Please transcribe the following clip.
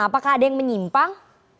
apakah ada yang menyimpang